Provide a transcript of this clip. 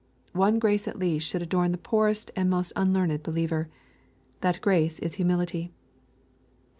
One grace at least should adorn the poorest and most un learned believer. That grace is humility.